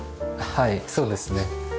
はいそうですね。